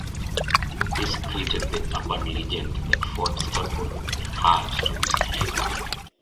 This created the urban legend that Ford stapled the hat to his head.